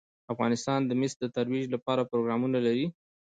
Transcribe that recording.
افغانستان د مس د ترویج لپاره پروګرامونه لري.